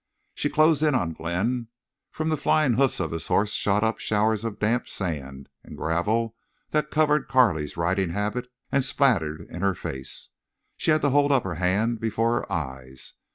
She closed in on Glenn. From the flying hoofs of his horse shot up showers of damp sand and gravel that covered Carley's riding habit and spattered in her face. She had to hold up a hand before her eyes.